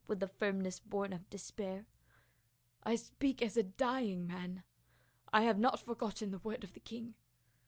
with the firmness born of despair. " I speak as a dying man ; I have not forgotten the word of the king.